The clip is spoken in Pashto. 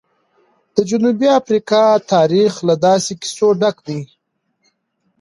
د جنوبي افریقا تاریخ له داسې کیسو ډک دی.